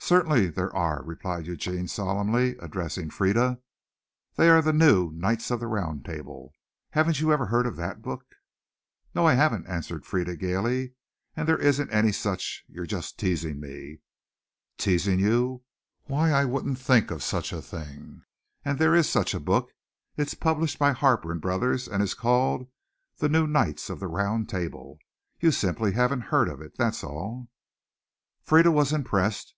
"Certainly there are," replied Eugene solemnly, addressing Frieda. "They are the new Knights of the Round Table. Haven't you ever heard of that book?" "No, I haven't," answered Frieda gaily, "and there isn't any such. You're just teasing me." "Teasing you? Why I wouldn't think of such a thing. And there is such a book. It's published by Harper and Brothers and is called 'The New Knights of the Round Table.' You simply haven't heard of it, that's all." Frieda was impressed.